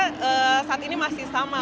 karena saat ini masih sama